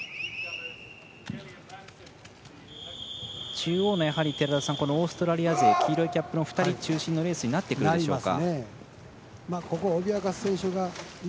中央のオーストラリア勢黄色いキャップの２人中心になってくるでしょうか。